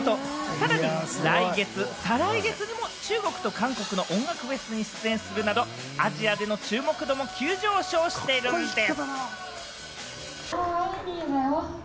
さらに来月、再来月にも中国と韓国の音楽フェスに出演するなど、アジアでの注目度も急上昇しているんです。